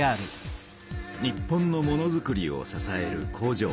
日本のものづくりを支える工場。